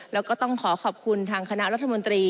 แล้วก็ต้องขอขอบคุณทางคณะรัฐมนตรี